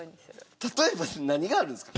例えば何があるんですか？